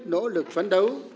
nỗ lực phấn đấu